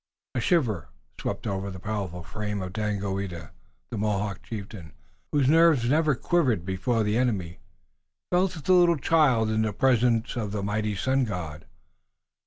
A shiver swept over the powerful frame of Daganoweda. The Mohawk chieftain, whose nerves never quivered before the enemy, felt as a little child in the presence of the mighty Sun God.